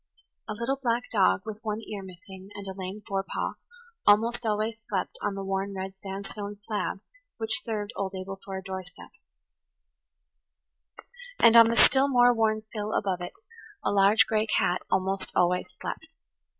A little black dog, with one ear missing and a lame forepaw, almost always slept on the worn red sandstone slab which served old Abel for a doorstep; and on the still more worn sill above it a large gray cat almost always slept.